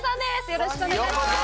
よろしくお願いします